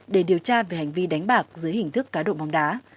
để điều tra về hành vi đánh bạc dưới hình thức cá độ bóng đá